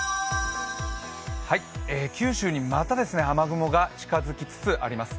九州にまた雨雲が近づきつつあります。